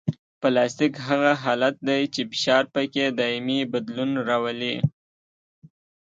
پلاستیک هغه حالت دی چې فشار پکې دایمي بدلون راولي